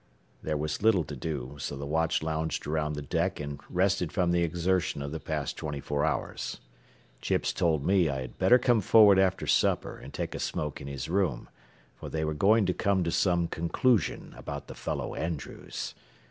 There was little to do, so the watch lounged around the deck and rested from the exertion of the past twenty four hours. Chips told me I had better come forward after supper and take a smoke in his room, for they were going to come to some conclusion about the fellow Andrews.